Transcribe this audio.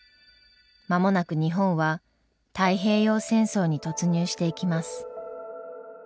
間もなく日本は太平洋戦争に突入していきます。